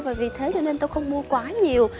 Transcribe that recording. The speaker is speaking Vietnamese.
và vì thế cho nên tôi không mua quá nhiều